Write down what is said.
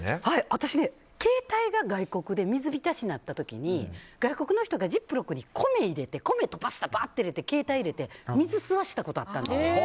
私、携帯が外国で水浸しになった時に外国の人がジップロックに米とパスタをばっと入れて携帯入れて水を吸わせたことがあったんです。